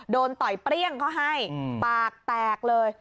ต่อยเปรี้ยงเขาให้ปากแตกเลย